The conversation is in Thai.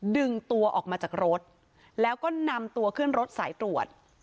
ดึงตัวออกมาจากรถแล้วก็นำตัวขึ้นรถสายตรวจ